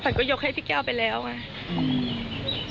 ก็ยกให้พี่แก้วไปแล้วไง